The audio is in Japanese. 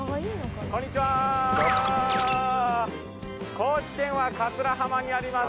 高知県は桂浜にあります